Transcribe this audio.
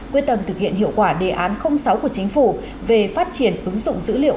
quyết tâm thực hiện hiệu quả đề án sáu của chính phủ về phát triển ứng dụng dữ liệu